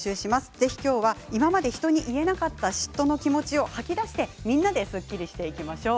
ぜひ今日は今まで人に言えなかった嫉妬の気持ちを吐き出してすっきりしていきましょう。